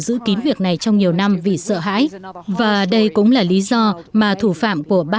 giữ kín việc này trong nhiều năm vì sợ hãi và đây cũng là lý do mà thủ phạm của ba mươi tám